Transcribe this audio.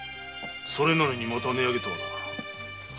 なのにまた値上げとはな。